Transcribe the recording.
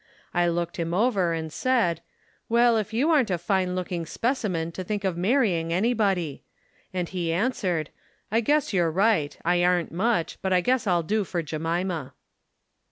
I looked him over and said, 'Well, if you aren't a fine looking specimen to think of marrying anybody !' and he answered, ' I guess you're right I aren't much, but I guess I'll do fer Jemima.'